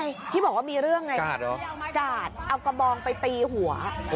ใช่ที่บอกว่ามีเรื่องไงกาดเหรอกาดเอากระบองไปตีหัว